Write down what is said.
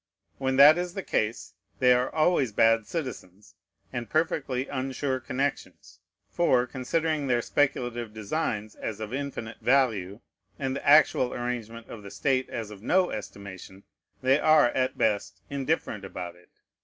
When that is the case, they are always bad citizens, and perfectly unsure connections. For, considering their speculative designs as of infinite value, and the actual arrangement of the state as of no estimation, they are, at best, indifferent about it.